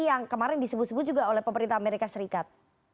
yang kemarin disebut sebut juga oleh pemerintah amerika serikat